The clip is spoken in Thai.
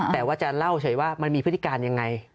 แต่ว่าจะเล่าเฉยว่ามันมีพฤติการยังไง